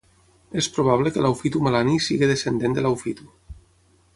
És probable que Laufitu Malani sigui descendent de Laufitu.